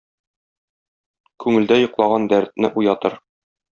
Күңелдә йоклаган дәртне уятыр.